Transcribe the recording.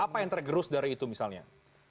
apa yang tergerus dari itu misalnya